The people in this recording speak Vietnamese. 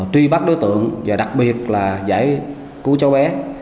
truy bắt đối tượng và đặc biệt là giải cứu cháu bé